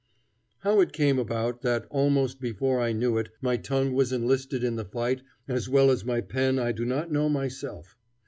How it came about that, almost before I knew it, my tongue was enlisted in the fight as well as my pen I do not know myself.